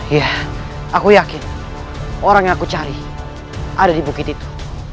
ya aku yakin orang yang aku cari ada di bukit itu